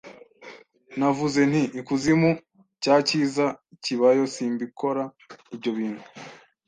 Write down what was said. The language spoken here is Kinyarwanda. Navuze nti: "Ikuzimu cyacyiza kibayo simbikora ibyo bintu